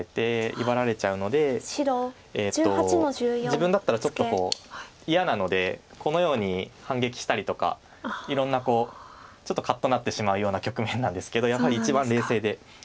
自分だったらちょっと嫌なのでこのように反撃したりとかいろんなちょっとカッとなってしまうような局面なんですけどやはり一番冷静でさすがのところです。